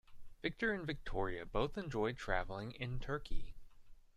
Victor and Victoria both enjoy traveling in Turkey.